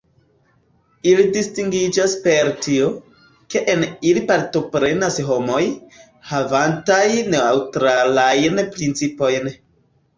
Ili distingiĝas per tio, ke en ili partoprenas homoj, havantaj neŭtralajn principojn.